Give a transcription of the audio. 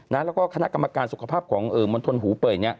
แล้วก็คณะกรรมการสุขภาพของมณฑลหูเป่ย